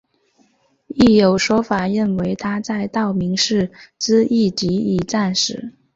亦有说法认为他在道明寺之役即已战死。